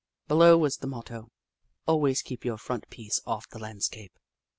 Below was the motto, " Always Keep Your Front Feet off the Landscape."